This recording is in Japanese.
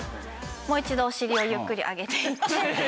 もう一度お尻をゆっくり上げていって。